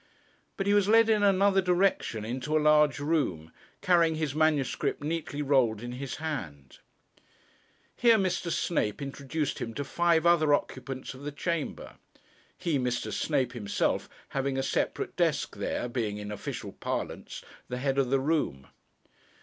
But he was led in another direction into a large room, carrying his manuscript neatly rolled in his hand. Here Mr. Snape introduced him to five other occupants of the chamber; he, Mr. Snape himself, having a separate desk there, being, in official parlance, the head of the room.